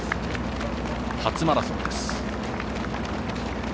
初マラソンです。